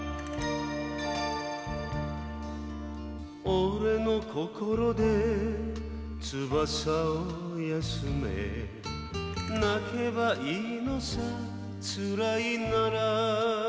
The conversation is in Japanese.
「俺の心で翼を休め泣けばいいのさつらいなら」